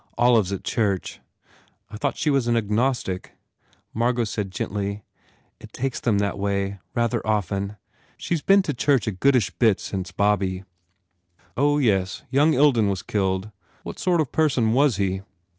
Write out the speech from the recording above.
Olive s at church." "I thought she was agnostic?" Margot said gently, "It takes them that way, rather often. She s been to church a goodish bit ever since Bobby " "Oh, yes. Young Ilden was killed. What sort of person was he?"